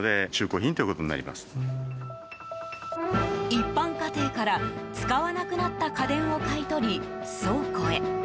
一般家庭から使わなくなった家電を買い取り倉庫へ。